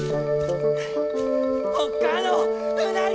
おっ母のうなぎ！